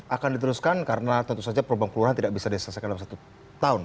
akan diteruskan karena tentu saja perubahan kelurahan tidak bisa diselesaikan dalam satu tahun